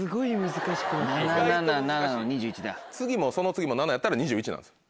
次もその次も７やったら２１なんですよ。